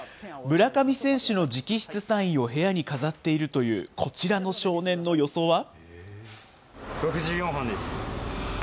村上選手の直筆サインを部屋に飾っているというこちらの少年の予想は？